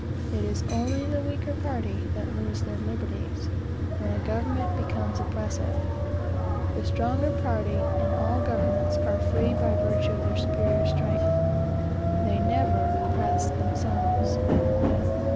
It is only the weaker party that lose their liberties, when a government becomes oppressive. The stronger party, in all governments, are free by virtue of their superior strength. They never oppress themselves.